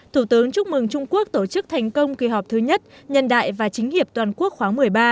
thủ tướng chúc mừng trung quốc tổ chức thành công kỳ họp thứ nhất nhân đại và chính hiệp toàn quốc khoáng một mươi ba